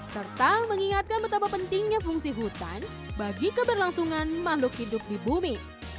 serta mengingatkan betapa pentingnya fungsi hutan bagi keberlangsungan makhluk hidup di bumi